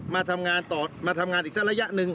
มาทำงานอีกสักระยะหนึ่ง